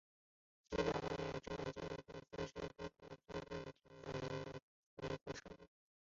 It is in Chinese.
工业上的氢氟酸是通过用酸分解磷灰石获得的。